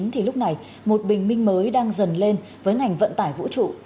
thì lúc này một bình minh mới đang dần lên với ngành vận tải vũ trụ